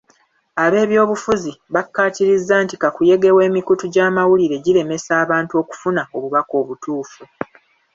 Ab'ebyobufuzi bakkaatiriza nti kakuyege w'emikutu gy'amawulire giremesa abantu okufuna obubaka obutuufu.